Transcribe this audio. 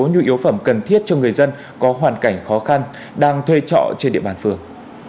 nhu yếu phẩm cần thiết cho người dân có hoàn cảnh khó khăn đang thuê trọ trên địa bàn phường